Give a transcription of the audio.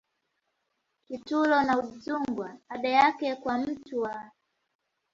Kitulo na Udzungwa ada yake kwa mtu wa